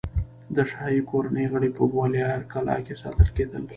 د شاهي کورنۍ غړي په ګوالیار کلا کې ساتل کېدل.